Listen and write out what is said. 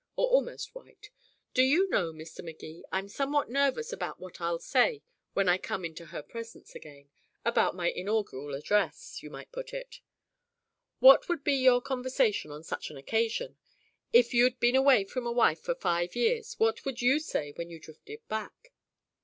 Or almost white. Do you know, Mr. Magee, I'm somewhat nervous about what I'll say when I come into her presence again about my inaugural address, you might put it. What would be your conversation on such an occasion? If you'd been away from a wife for five years, what would you say when you drifted back?"